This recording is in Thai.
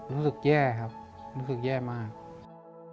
รู้สึกแย่ครับรู้สึกแย่มาก